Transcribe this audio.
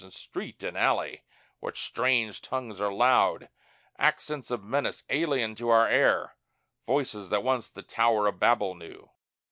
In street and alley what strange tongues are loud, Accents of menace alien to our air, Voices that once the Tower of Babel knew!